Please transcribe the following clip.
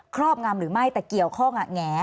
ครอบงำหรือไม่แต่เกี่ยวข้องแง่